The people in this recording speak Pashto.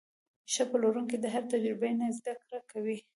ښه پلورونکی د هرې تجربې نه زده کړه کوي.